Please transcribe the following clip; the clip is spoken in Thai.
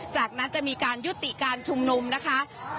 จากนั้นจะมีการยุติการชุมนุมนะคะ